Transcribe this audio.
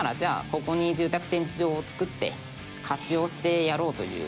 ここに住宅展示場を作って活用してやろうという。